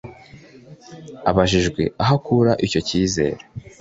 Abajijwe aho akura icyo cyizere